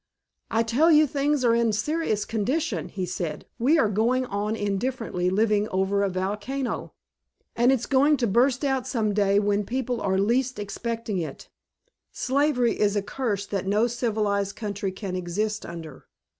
"I tell you things are in a serious condition," he said. "We are going on indifferently living over a volcano. And it's going to burst out some day when people are least expecting it. Slavery is a curse that no civilized country can exist under.